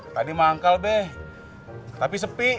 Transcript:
tadi manggal deh tapi sepi